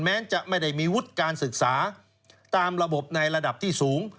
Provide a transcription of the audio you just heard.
แม้จะไม่ได้มีวุฒิการศึกษาตามระบบในระดับที่สูง